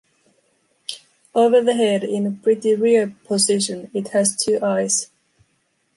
Over the head, in a pretty rear position, it has two eyes.